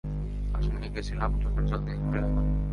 আশা নিয়ে গেছিলাম, চোখের জল নিয়ে ফিরে এলাম।